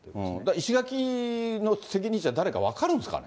石垣の責任者、誰か分かるんですかね。